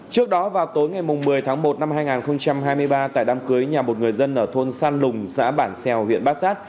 trước đó vào tối ngày một mươi tháng một năm hai nghìn hai mươi ba tại đám cưới nhà một người dân ở thôn san lùng xã bản xèo huyện bát sát